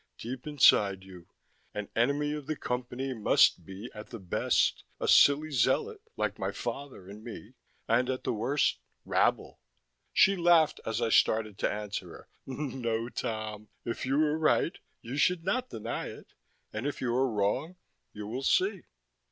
Deep inside you: An enemy of the Company must be, at the best, a silly zealot like my father and me and at the worst, rabble." She laughed as I started to answer her. "No, Tom, if you are right, you should not deny it; and if you are wrong you will see."